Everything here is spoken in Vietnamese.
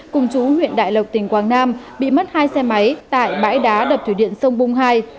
cùng chú huyện đại lộc tỉnh quảng nam bị mất hai xe máy tại bãi đá đập thủy điện sông bung hai